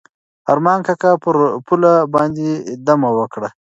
ارمان کاکا پر پوله باندې دمه وکړه.